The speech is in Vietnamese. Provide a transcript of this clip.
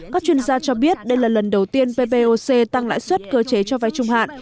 các chuyên gia cho biết đây là lần đầu tiên ppoc tăng lãi suất cơ chế cho vay trung hạn